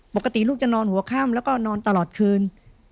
ปกติลูกจะนอนหัวค่ำแล้วก็นอนตลอดคืน